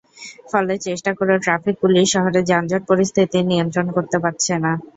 ফলে চেষ্টা করেও ট্রাফিক পুলিশ শহরের যানজট পরিস্থিতি নিয়ন্ত্রণ করতে পারছে না।